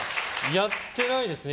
やってないですね。